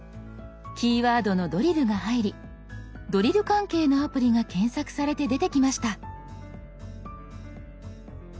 キーワードの「ドリル」が入りドリル関係のアプリが検索されて出てきました。